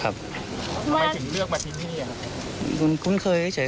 ปืนนี่เป็นปืนของเราไหม